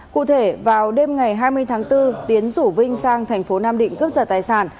cụ thể vào đêm ngày hai mươi tháng bốn tiến rủ vinh sang thành phố nam định cướp giật tài sản